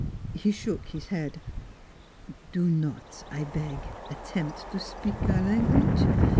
He shook his head: " Do not, I beg, attempt to spik our language.